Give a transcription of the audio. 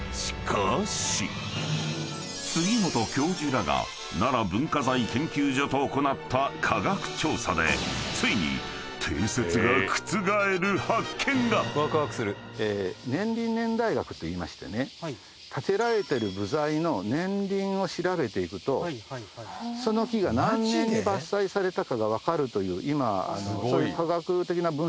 ［杉本教授らが奈良文化財研究所と行った科学調査でついに］といいまして建てられてる部材の年輪を調べていくとその木が何年に伐採されたかが分かるという今そういう科学的な分析方法があるんですね。